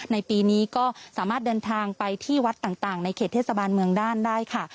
ในปีนี้ก็สามารถเดินทางไปที่วัดต่างในเขตเทศบาลเมืองด้านได้ค่ะ